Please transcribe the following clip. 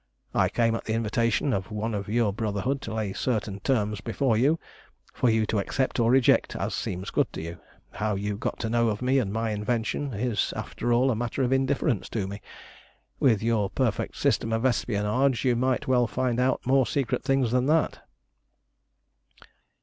"I came at the invitation of one of your Brotherhood to lay certain terms before you, for you to accept or reject as seems good to you. How you got to know of me and my invention is, after all, a matter of indifference to me. With your perfect system of espionage you might well find out more secret things than that."